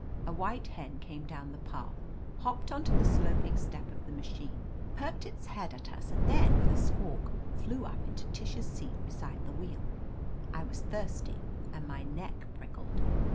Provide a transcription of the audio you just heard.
A white hen came down the path, hopped on to the sloping step of the machine, perked its head at us, and then, with a squawk, flew up into Tish's seat behind the wheel. I was thirsty and my neck prickled.